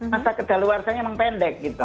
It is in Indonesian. masa kedaluarsanya memang pendek gitu